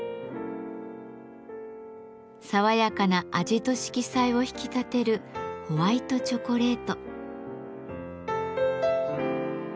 爽やかな味と色彩を引き立てるホワイトチョコレート。